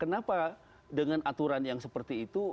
kenapa dengan aturan yang seperti itu